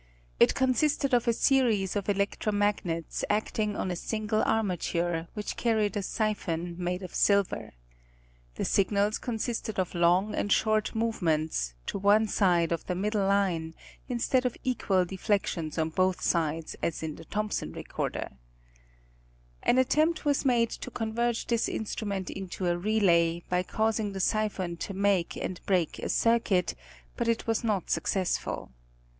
It con sisted of a series of electro magnets acting on a single armature, which carried a siphon madé of silver. The signals consisted of long and short movements, to one side of the middle line, instead of equal deflections on both sides as in the Thompson recorder. 22 National Geographic Mugazime. An attempt was made to convert this instrument into a relay, by causing the siphon to make and break a circuit, but it was not successful.